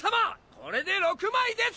これで６枚です！